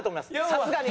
さすがに。